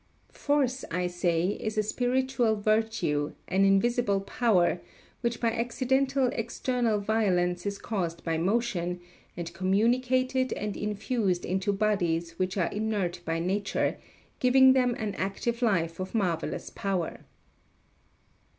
Force, I say, is a spiritual virtue, an invisible power, which by accidental external violence is caused by motion, and communicated and infused into bodies which are inert by nature, giving them an active life of marvellous power.